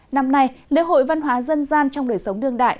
năm nay lễ hội văn hóa dân gian trong đời sống đương đại